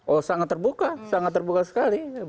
oh sangat terbuka sangat terbuka sekali